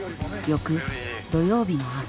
翌土曜日の朝。